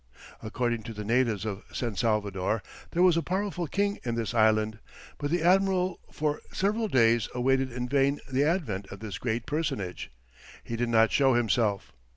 According to the natives of San Salvador, there was a powerful king in this island, but the admiral for several days awaited in vain the advent of this great personage; he did not show himself.